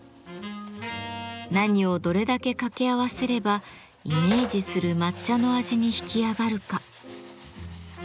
何をどれだけ掛け合わせればイメージする抹茶の味に引き上がるか。